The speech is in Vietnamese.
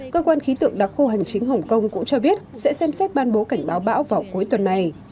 cơ quan khí tượng đặc khu hành chính hồng kông cũng cho biết sẽ xem xét ban bố cảnh báo bão vào cuối tuần này